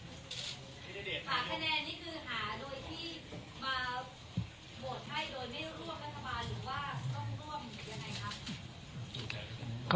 คะแนน๓คะแนนนี่คือหาโดยที่มาโหวตให้โดยไม่ร่วมรัฐบาลหรือว่าต้องร่วมยังไงครับ